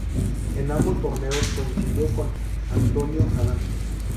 En ambos torneos coincidió con Antonio Adán.